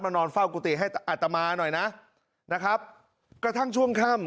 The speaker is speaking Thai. นอนเฝ้ากุฏิให้อัตมาหน่อยนะนะครับกระทั่งช่วงค่ำ